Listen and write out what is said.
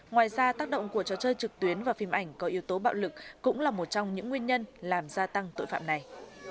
ngoài ra tác động của trò chơi trực tuyến và phim ảnh có yếu tố bạo lực cũng là một trong những nguyên nhân làm gia tăng tội phạm này